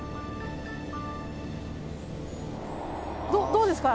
どうですか？